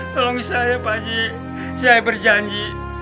tolong saya pak haji saya berjanji